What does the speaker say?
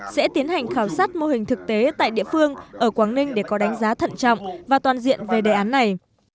sẽ tiến hành khảo sát mô hình thực tế tại địa phương ở quảng ninh để có đánh giá thận trọng và toàn diện về đề án này